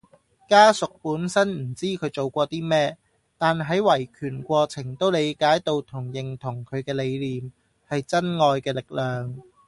家屬本身唔知佢做過啲咩，但喺維權過程都理解到同認同佢嘅理念，係真愛嘅力量